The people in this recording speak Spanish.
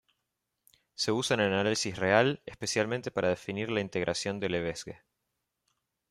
Se usa en el análisis real, especialmente para definir la integración de Lebesgue.